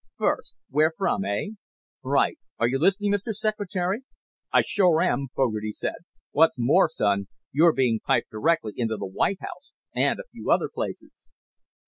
"First, where from, eh?" "Right. Are you listening, Mr. Secretary?" "I sure am," Fogarty said. "What's more, son, you're being piped directly into the White House and a few other places."